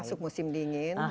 masuk musim dingin